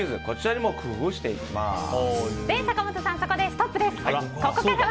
こちらにも工夫をしていきます。